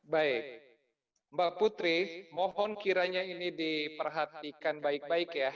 baik mbak putri mohon kiranya ini diperhatikan baik baik ya